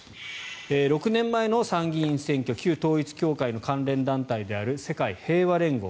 ６年前の参議院選挙旧統一教会の関連団体である世界平和連合。